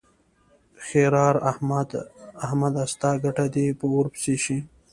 ښېرار: احمده! ستا ګټه دې په اور پسې شي.